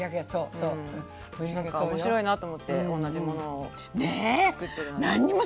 面白いなと思って同じものを作ってるなんて。ね。